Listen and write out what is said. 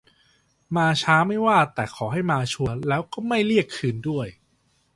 ม้าช้าไม่ว่า แต่ขอให้มาชัวร์ แล้วก็ไม่เรียกคืนด้วย